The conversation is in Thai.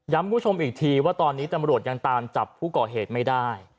คุณผู้ชมอีกทีว่าตอนนี้ตำรวจยังตามจับผู้ก่อเหตุไม่ได้